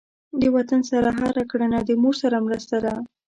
د وطن سره هر کړنه د مور سره مرسته ده.